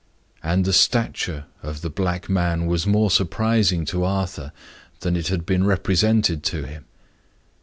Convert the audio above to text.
And the stature of the black man was more surprising to Arthur than it had been represented to him.